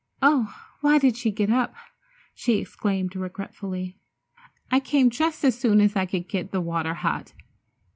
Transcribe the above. "Oh, why did she get up!" she exclaimed regretfully. "I came just as soon as I could get the water hot!"